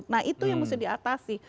nah itu yang mesti diatasi